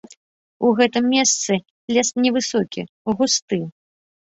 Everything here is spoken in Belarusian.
У гэтым месцы лес не высокі, густы.